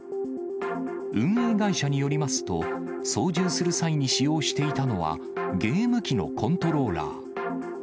運営会社によりますと、操縦する際に使用していたのは、ゲーム機のコントローラー。